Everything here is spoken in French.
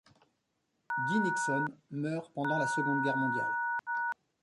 Guy Nixon meurt pendant la seconde guerre mondiale.